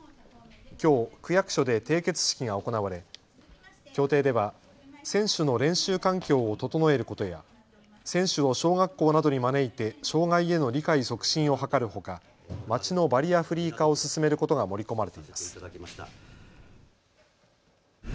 きょう、区役所で締結式が行われ協定では選手の練習環境を整えることや選手を小学校などに招いて障害への理解促進を図るほか街のバリアフリー化を進めることが盛り込まれています。